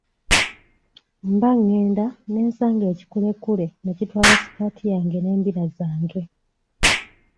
Mba ngenda ne nsanga ekikulekule ne kitwala sikaati yange n'embira zange.